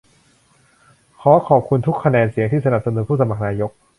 ขอขอบคุณทุกคะแนนเสียงที่สนับสนุนผู้สมัครนายก